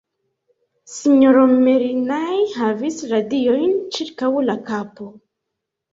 S-ro Merinai havis radiojn ĉirkaŭ la kapo.